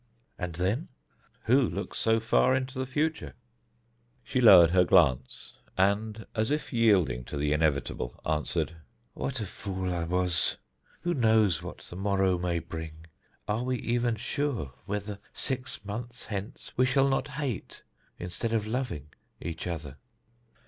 "And then?" "Who looks so far into the future?" She lowered her glance, and, as if yielding to the inevitable, answered: "What a fool I was! Who knows what the morrow may bring? Are we even sure whether, six months hence, we shall not hate, instead of loving, each other?"